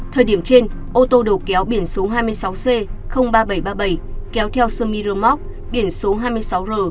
thời điểm trên ô tô đầu kéo biển số hai mươi sáu c ba nghìn bảy trăm ba mươi bảy kéo theo sơn miramoc biển số hai mươi sáu r ba trăm bảy mươi ba